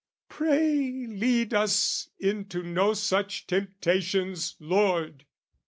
Pray "Lead us into no such temptations, Lord!"